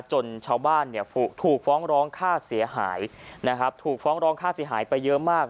จนชาวบ้านเนี่ยถูกฟ้องร้องค่าเสียหายนะครับถูกฟ้องร้องค่าเสียหายไปเยอะมาก